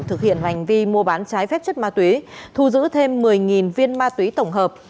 thực hiện hành vi mua bán trái phép chất ma túy thu giữ thêm một mươi viên ma túy tổng hợp